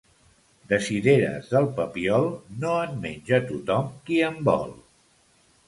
De cireres del Papiol, no en menja tothom qui en vol.